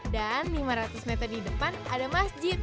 dan lima ratus meter di depan ada masjid